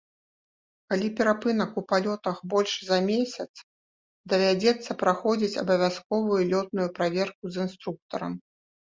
Калі перапынак у палётах большы за месяц, давядзецца праходзіць абавязковую лётную праверку з інструктарам.